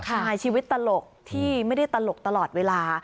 ใช่ชีวิตตลกที่ไม่ได้ตลกตลอดเวลา